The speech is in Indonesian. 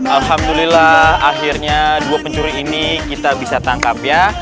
alhamdulillah akhirnya dua pencuri ini kita bisa tangkap ya